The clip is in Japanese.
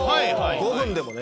５分でもね。